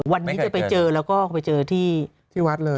วันนี้จะไปเจอแล้วก็ไปเจอที่วัดเลย